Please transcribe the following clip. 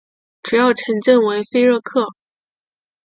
主要城镇为菲热克。